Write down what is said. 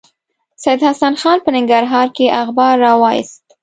سید حسن خان په ننګرهار کې اخبار راوایست.